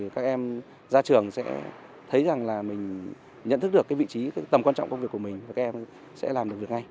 các em ra trường sẽ thấy rằng là mình nhận thức được vị trí tầm quan trọng công việc của mình và các em sẽ làm được việc ngay